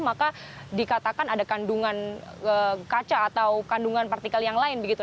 maka dikatakan ada kandungan kaca atau kandungan partikel yang lain begitu